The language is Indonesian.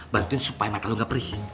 bantuin supaya makan lo gak perih